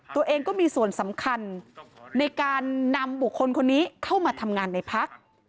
ตัวเองก็มีส่วนสำคัญในการนำบุคคลคนนี้เข้ามาทำงานในพัก